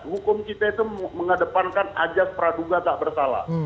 hukum kita itu mengedepankan ajas praduga tak bersalah